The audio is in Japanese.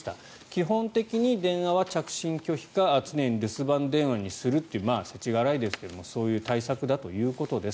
基本的に電話は着信拒否か常に留守番電話にするという世知辛いですけどそういう対策だということです。